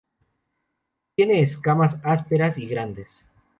Tiene escamas ásperas y grandes.